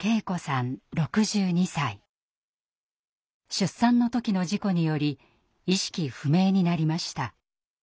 出産の時の事故により意識不明になりました。